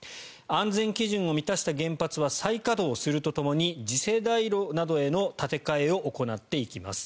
安全基準を満たした原発は再稼働するとともに次世代炉などへの建て替えを行っていきます。